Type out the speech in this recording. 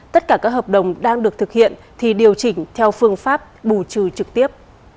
tất cả các hợp đồng đang được thực hiện thì điều chỉnh theo phương pháp bù trừ trực tiếp